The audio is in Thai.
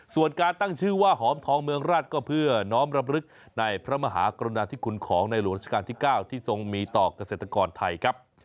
ส่วนการตั้งชื่อว่าหอมทองเมืองราชก็เพื่อน้องรำลึกในพระมหากรุณาธิคุณของในหลวงราชการที่๙ที่ทรงมีต่อเกษตรกรไทยครับ